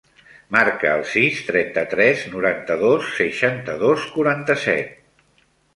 Marca el sis, trenta-tres, noranta-dos, seixanta-dos, quaranta-set.